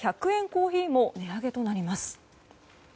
コーヒーも値上げとなります。